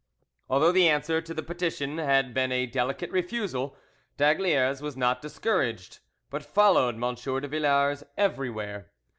Although the answer to the petition had been a delicate refusal, d'Aygaliers was not discouraged, but followed M. de Villars everywhere.